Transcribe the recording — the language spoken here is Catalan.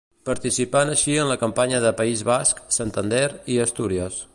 Participant així en la campanya de País Basc, Santander i Astúries.